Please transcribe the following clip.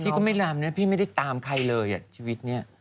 พี่ก็ไม่แล้วเนี่ยพี่ไม่ได้ตามใครเลยอะชีวิตเนี่ย